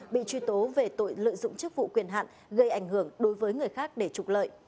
bị truy tố về tội lợi dụng chức vụ quyền hạn gây ảnh hưởng đối với người khác để trục lợi